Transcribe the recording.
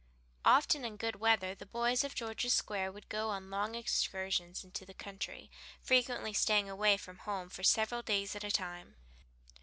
Often in good weather the boys of George's Square would go on long excursions into the country, frequently staying away from home for several days at a time.